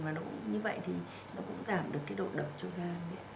và như vậy thì nó cũng giảm được cái độ độc cho gan